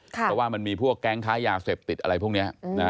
เพราะว่ามันมีพวกแก๊งค้ายาเสพติดอะไรพวกนี้